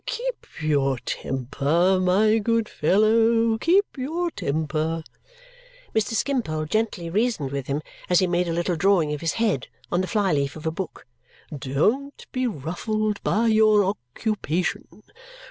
"Keep your temper, my good fellow, keep your temper!" Mr. Skimpole gently reasoned with him as he made a little drawing of his head on the fly leaf of a book. "Don't be ruffled by your occupation.